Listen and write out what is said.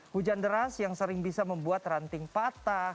hujan deras yang sering bisa membuat ranting patah